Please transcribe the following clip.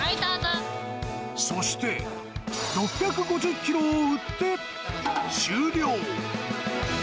そして、６５０キロを売って終了。